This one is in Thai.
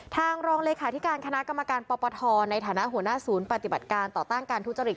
รองเลขาธิการคณะกรรมการปปทในฐานะหัวหน้าศูนย์ปฏิบัติการต่อต้านการทุจริต